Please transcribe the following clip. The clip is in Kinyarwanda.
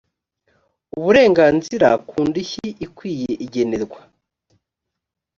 uburenganzira ku ndishyi ikwiye igenerwa